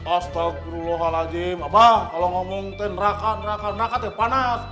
astagfirullahaladzim mbah kalau ngomong t neraka neraka neraka t panas